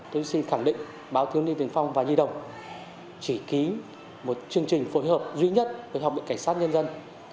tôi xin khẳng định báo thiếu niên tiền phong và nhi đồng chỉ ký một chương trình phối hợp duy nhất với học viện cảnh sát nhân dân